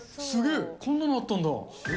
すげー、こんなのあったんだ。